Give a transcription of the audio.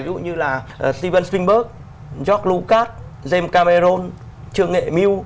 ví dụ như là steven spielberg george lucas james cameron trương nghệ mew